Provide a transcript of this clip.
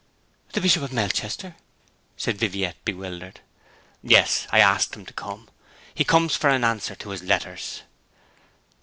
'The Bishop of Melchester?' said Viviette, bewildered. 'Yes. I asked him to come. He comes for an answer to his letters.'